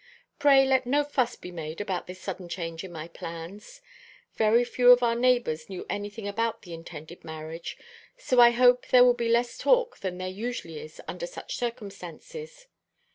Pray let no fuss be made about this sudden change in my plans. Very few of our neighbours knew anything about the intended marriage; so I hope there will be less talk than there usually is under such circumstances.